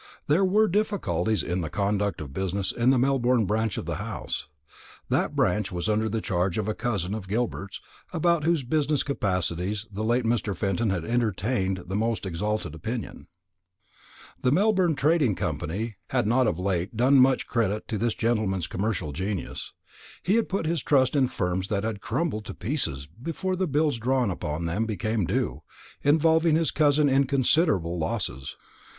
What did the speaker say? There were difficulties in the conduct of business in the Melbourne branch of the house, that branch which was under the charge of a cousin of Gilbert's, about whose business capacities the late Mr. Fenton had entertained the most exalted opinion. The Melbourne trading had not of late done much credit to this gentleman's commercial genius. He had put his trust in firms that had crumbled to pieces before the bills drawn upon them came due, involving his cousin in considerable losses.